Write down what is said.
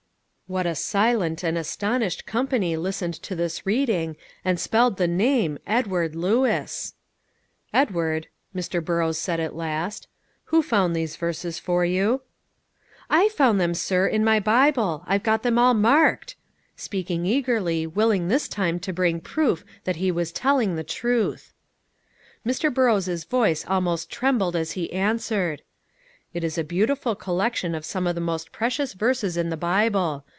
What a silent and astonished company listened to this reading, and spelled the name "Edward Lewis!" "Edward," Mr. Burrows said at last, "who found those verses for you?" "I found them, sir, in my Bible. I've got them all marked!" speaking eagerly, willing this time to bring proof that he was telling the truth. Mr. Burrows' voice almost trembled as he answered, "It is a beautiful collection of some of the most precious verses in the Bible.